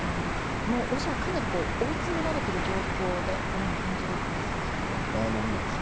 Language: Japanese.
もう、ロシアは追い詰められている状況のように感じるんですがそこはどうですか。